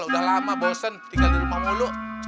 udah lama bosen tinggal di rumah mulu